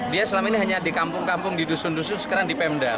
dia selama ini hanya di kampung kampung di dusun dusun sekarang di pemda